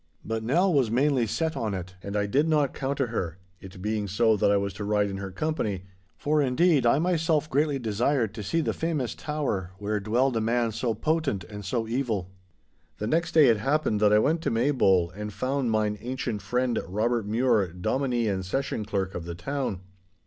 But Nell was mainly set on it, and I did not counter her, it being so that I was to ride in her company—for, indeed, I myself desired greatly to see the famous tower where dwelled a man so potent and so evil. The next day it happened that I went to Maybole and found mine ancient friend, Robert Mure, Dominie and Session Clerk of the town.